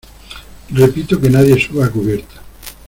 repito, que nadie suba a cubierta.